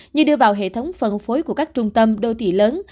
như đưa vào hệ thống phân phối của các trung tâm đô thị lớn